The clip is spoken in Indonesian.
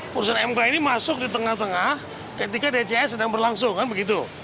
putusan mk ini masuk di tengah tengah ketika dcs sedang berlangsung kan begitu